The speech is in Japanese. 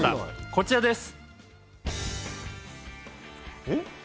こちらです！